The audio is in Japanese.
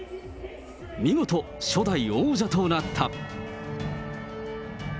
見事、初代王者となった。